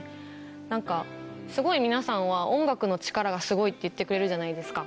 なんか、すごい皆さんは、音楽の力がすごいって言ってくれるじゃないですか。